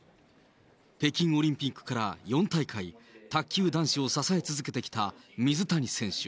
北京オリンピックから４大会、卓球男子を支え続けてきた水谷選手。